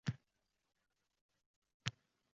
Quyosh nuri unga yot, malol